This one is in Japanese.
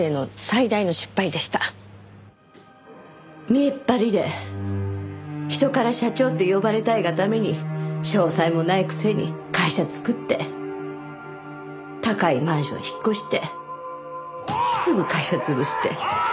見えっ張りで人から社長って呼ばれたいがために商才もないくせに会社作って高いマンションに引っ越してすぐ会社潰して。